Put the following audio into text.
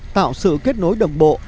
tạo sự kết nối đường bộ